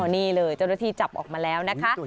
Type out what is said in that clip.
นี่เลยเจ้าหน้าที่จับออกมาแล้วนะคะ